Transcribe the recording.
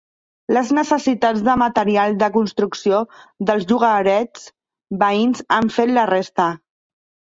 Les necessitats de material de construcció dels llogarets veïns han fet la resta.